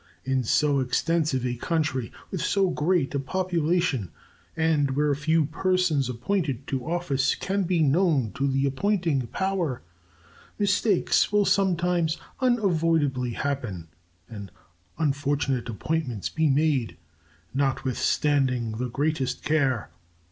In so extensive a country, with so great a population, and where few persons appointed to office can be known to the appointing power, mistakes will sometimes unavoidably happen and unfortunate appointments be made notwithstanding the greatest care.